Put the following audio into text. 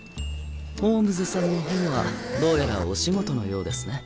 ホームズさんの方はどうやらお仕事のようですね。